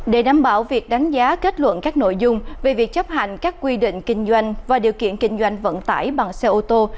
để đảm bảo việc đánh giá kết luận các nội dung về việc chấp hành các quy định kinh doanh và điều kiện kinh doanh vận tải bằng xe ô tô